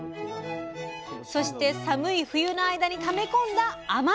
そして寒い冬の間にため込んだ甘み！